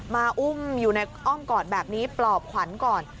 อุ้มอยู่ในอ้อมกอดแบบนี้ปลอบขวัญก่อน